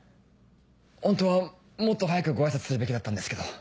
ホントはもっと早くご挨拶するべきだったんですけど。